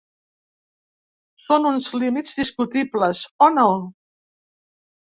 Són uns límits discutibles o no?